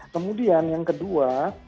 kemudian yang kedua